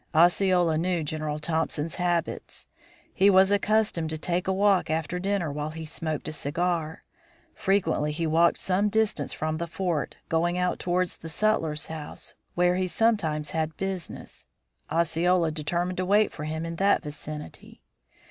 Osceola knew General Thompson's habits. He was accustomed to take a walk after dinner while he smoked a cigar. Frequently he walked some distance from the fort, going out towards the sutler's house, where he sometimes had business. Osceola determined to wait for him in that vicinity.